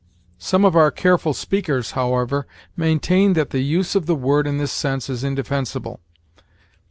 Some of our careful speakers, however, maintain that the use of the word in this sense is indefensible.